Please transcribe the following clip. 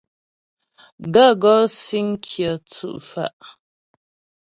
Gaə̂ gɔ́ síŋ kyə tsʉ́' fá'.